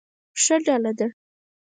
ښه ډله ده.